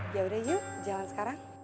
yaudah yuk jalan sekarang